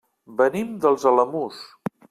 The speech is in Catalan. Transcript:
Venim dels Alamús.